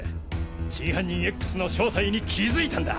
真犯人Ｘの正体に気づいたんだ！